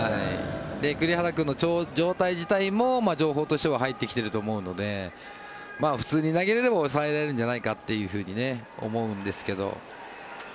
栗原君の状態自体も情報としては入ってきてると思うので普通に投げれれば抑えられるんじゃないかと思うんですけど。